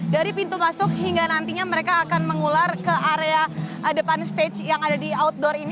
dari pintu masuk hingga nantinya mereka akan mengular ke area depan stage yang ada di outdoor ini